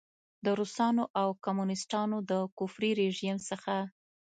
د روسانو او کمونیسټانو د کفري رژیم څخه.